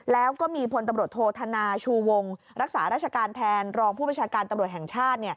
แล้วก็มีพลตำรวจโทษธนาชูวงรักษาราชการแทนรองผู้บัญชาการตำรวจแห่งชาติ